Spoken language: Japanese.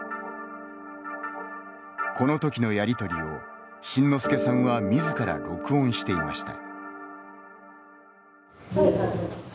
このときのやりとりを辰乃輔さんはみずから録音していました。